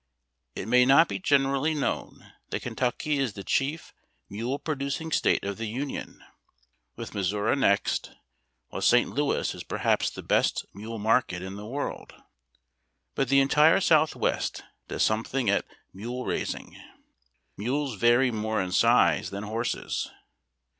It may not be generally known that Kentucky is the chief mule pro ducing State of the Union, with Mis souri next, while St. Louis is perhaps the best mule market in the world; but the entire South west does something at mule raising. Mules vary more in size than horses.